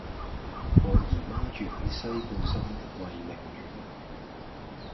我姨媽住喺西半山慧明苑